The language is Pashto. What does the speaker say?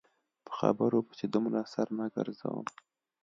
په خبرو پسې دومره سر نه ګرځوم.